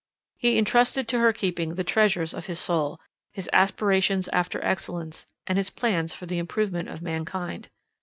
He entrusted to her keeping the treasures of his soul, his aspirations after excellence, and his plans for the improvement of mankind.